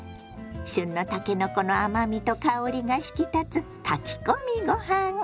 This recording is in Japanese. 旬のたけのこの甘みと香りが引き立つ炊き込みご飯。